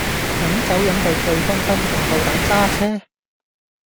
飲酒飲到醉醺醺仲夠膽揸車